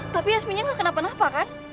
tapi aspinya gak kenapa napa kan